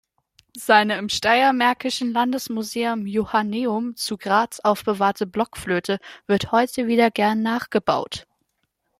Seine im Steiermärkischen Landesmuseum Johanneum zu Graz aufbewahrte Blockflöte wird heute wieder gern nachgebaut.